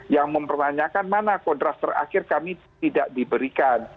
yang mempertanyakan mana kodras terakhir kami tidak diberikan